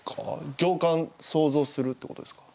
行間想像するってことですか？